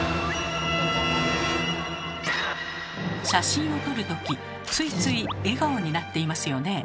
写真を撮る時ついつい笑顔になっていますよね？